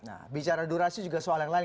nah bicara durasi juga soal yang lain